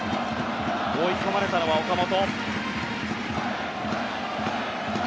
追い込まれたのは岡本。